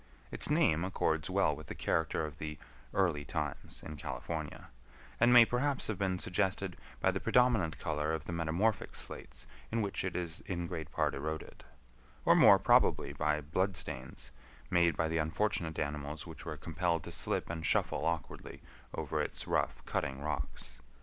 Its name accords well with the character of the "early times" in California, and may perhaps have been suggested by the predominant color of the metamorphic slates in which it is in great part eroded; or more probably by blood stains made by the unfortunate animals which were compelled to slip and shuffle awkwardly over its rough, cutting rocks.